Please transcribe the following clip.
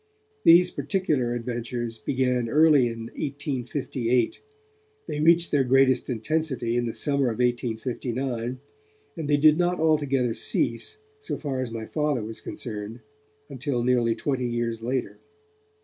These particular adventures began early in 1858, they reached their greatest intensity in the summer of 1859, and they did not altogether cease, so far as my Father was concerned, until nearly twenty years later.